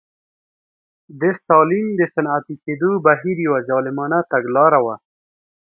د ستالین د صنعتي کېدو بهیر یوه ظالمانه تګلاره وه